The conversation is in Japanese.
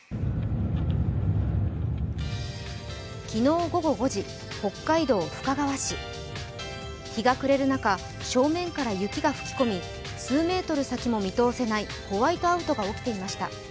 昨日午後５時北海道深川市、日が暮れる中、正面から雪が吹き込み、数メートル先も見通せないホワイトアウトが起きていました。